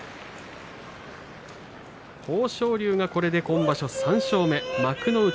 豊昇龍が、これで今場所３勝目幕内